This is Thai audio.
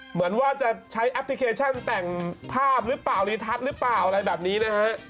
เหมือนว่าจะใช้แอปพลิเคชันแต่งภาพหรือเปล่ารีทัศน์หรือเปล่าอะไรแบบนี้นะฮะ